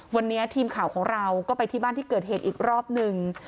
วันนี้ทีมข่าวของเราก็ไปที่บ้านที่เกิดเหตุอีกรอบหนึ่ง